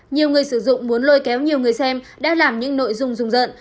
nhiều người sử dụng muốn lôi kéo nhiều người xem đã làm những nội dung rùng rợn